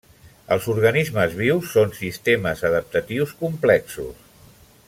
Els organismes vius són sistemes adaptatius complexos.